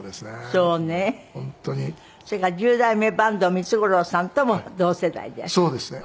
それから十代目坂東三津五郎さんとも同世代でいらして。